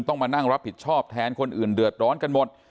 ต้องมานั่งรับผิดชอบแทนคนอื่นเดือดร้อนกันหมด